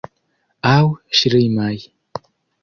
Aŭ ŝlimaj.